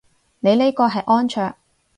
你呢個係安卓